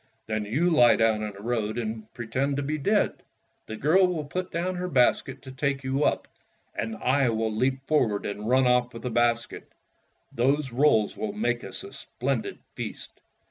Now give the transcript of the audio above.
"Then you lie down in the road and pretend to be dead. The girl will put down her basket to take you up, and I will leap forward and run off with the basket. Those rolls will make us a splendid feast."